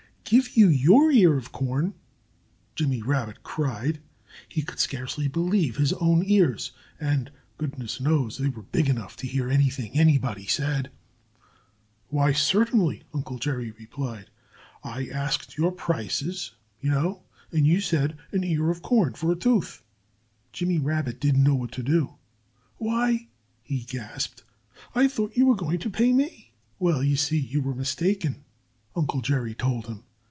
"Give you your ear of corn?" Jimmy Rabbit cried. He could scarcely believe his own ears and goodness knows they were big enough to hear anything anybody said. "Why, certainly!" Uncle Jerry replied. "I asked you your prices, you know. And you said: 'An ear of corn for a tooth!'" Jimmy Rabbit didn't know what to do. "Why" he gasped, "I thought you were going to pay me!" "Well, you see you were mistaken," Uncle Jerry told him.